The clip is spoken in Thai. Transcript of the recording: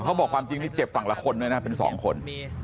เขาบอกความจริงนี่เจ็บฝั่งละคนด้วยนะเป็นสองคน